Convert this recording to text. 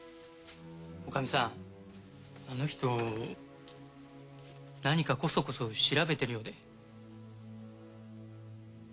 女将さんあの人何かコソコソ調べてるようで。